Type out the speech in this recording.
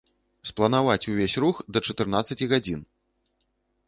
Спланаваць увесь рух да чатырнаццаці гадзін!